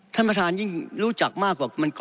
ท่านประธานยิ่งรู้จักมากกว่า